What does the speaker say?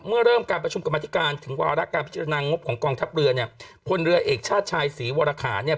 เมื่อเริ่มการประชุมกรรมธิการถึงวาระการพิจารณางบของกองทัพเรือเนี่ยพลเรือเอกชาติชายศรีวรคาเนี่ย